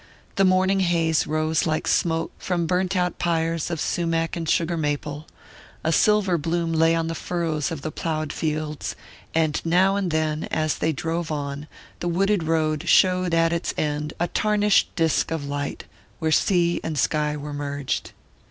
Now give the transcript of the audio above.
The morning haze rose like smoke from burnt out pyres of sumach and sugar maple; a silver bloom lay on the furrows of the ploughed fields; and now and then, as they drove on, the wooded road showed at its end a tarnished disk of light, where sea and sky were merged.